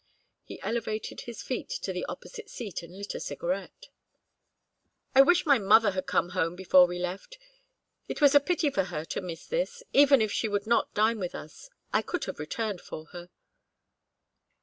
He elevated his feet to the opposite seat and lit a cigarette. "I wish my mother had come home before we left. It was a pity for her to miss this. Even if she would not dine with us, I could have returned for her."